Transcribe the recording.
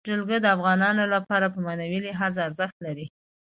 جلګه د افغانانو لپاره په معنوي لحاظ ارزښت لري.